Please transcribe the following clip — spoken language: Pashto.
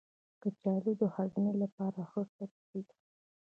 کچالو د هاضمې لپاره ښه سبزی دی.